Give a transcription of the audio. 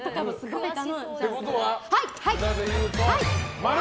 ってことは、○！